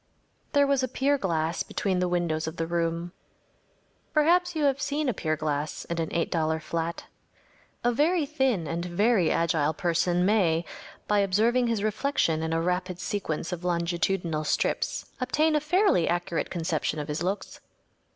There was a pier glass between the windows of the room. Perhaps you have seen a pier glass in an $8 flat. A very thin and very agile person may, by observing his reflection in a rapid sequence of longitudinal strips, obtain a fairly accurate conception of his looks.